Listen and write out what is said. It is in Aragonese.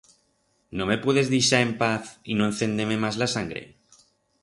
No me puedes dixar en paz y no encender-me mas la sangre?